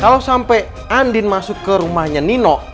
kalau sampai andin masuk ke rumahnya nino